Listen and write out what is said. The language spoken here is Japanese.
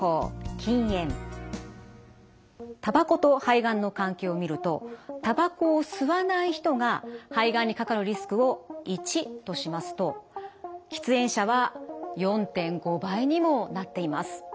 たばこと肺がんの関係を見るとたばこを吸わない人が肺がんにかかるリスクを１としますと喫煙者は４．５倍にもなっています。